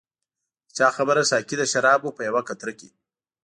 د چا خبره ساقي د شرابو په یوه قطره کې.